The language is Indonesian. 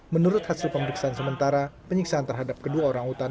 menurut hasil pemeriksaan sementara penyiksaan terhadap kedua orangutan